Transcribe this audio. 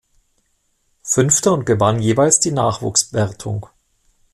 Fünfter und gewann jeweils die Nachwuchswertung.